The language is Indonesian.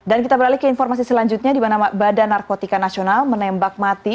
dan kita beralih ke informasi selanjutnya di mana badan narkotika nasional menembak mati